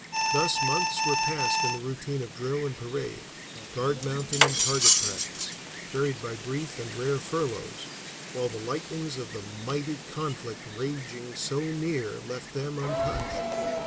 Thus months were passed in the routine of drill and parade, guard mounting and target practice, varied by brief and rare furloughs, while the lightnings of the mighty conflict raging so near left them untouched.